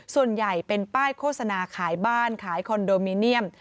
ส่วนใหญ่เป็นป้ายโฆษณาขายบ้านขายคอนโดมิเนียม